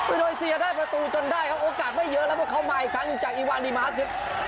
อินโดนีเซียได้ประตูจนได้ครับโอกาสไม่เยอะแล้วพวกเขามาอีกครั้งหนึ่งจากอีวานดีมาสครับ